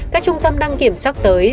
các trung tâm đăng kiểm soát tới